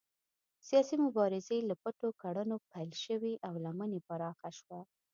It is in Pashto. سیاسي مبارزې له پټو کړنو پیل شوې او لمن یې پراخه شوه.